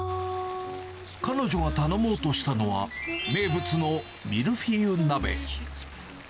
彼女が頼もうとしたのは、名物のミルフィーユ鍋。